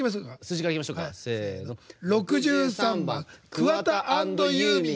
６３番、桑田＆ユーミン